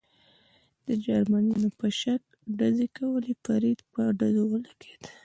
د جرمنیانو په شک ډزې کولې، فرید په ډزو ولګېد.